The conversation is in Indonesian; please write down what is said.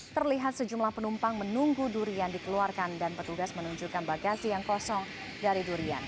terlihat sejumlah penumpang menunggu durian dikeluarkan dan petugas menunjukkan bagasi yang kosong dari durian